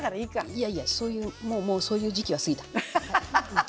いやいやそういうもうもうそういう時期は過ぎた。